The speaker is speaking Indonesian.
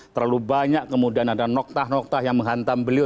terlalu banyak kemudian ada noktah noktah yang menghantam beliau